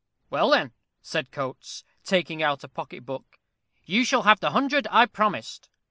"Well, then," said Coates, taking out a pocket book, "you shall have the hundred I promised.